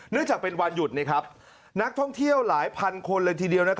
จากเป็นวันหยุดนักท่องเที่ยวหลายพันคนเลยทีเดียว